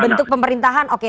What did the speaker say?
bentuk pemerintahan oke